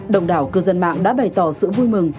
đồng đảo cư dân mạng đã bày tỏ sự vui mừng